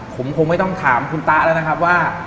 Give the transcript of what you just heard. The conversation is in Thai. ผมคงไม่ต้องถามคุณตาแล้วนะครับว่า